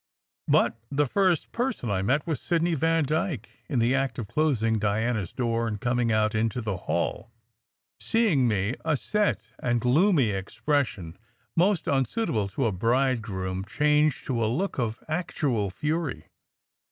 But the first person I met was Sidney Vandyke in the act of closing Diana s door and coming out into the hall. Seeing me, a set and gloomy expression, most unsuitable to a bridegroom, changed to a look of actual fury.